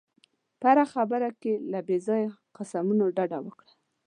په هره خبره کې له بې ځایه قسمونو ډډه وکړه.